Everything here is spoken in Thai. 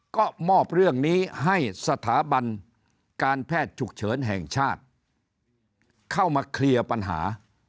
ก็มอบเรื่องนี้ให้สถาบันการแพทย์ฉุกเฉินแห่งชาติเข้ามาเคลียร์ปัญหา